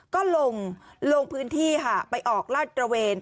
ก็ลงพื้นที่ค่ะไปออกลาดตระเวน